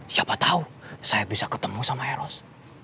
siapa tahu saya bisa ketemu sama eros